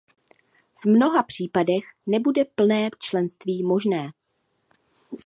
V mnoha případech nebude plné členství možné.